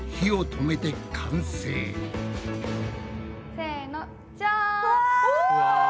せのじゃん！